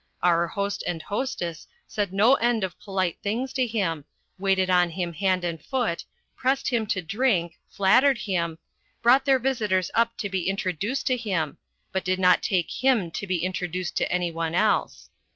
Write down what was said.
Our host and hostess said no end of polite things to him, waited on him hand and foot, pressed him to drink, flattered him, brought their visitors up to be introduced to him, but did not take him to be introduced to any one else.